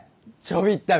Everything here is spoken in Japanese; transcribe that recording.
「ちょびっ旅」！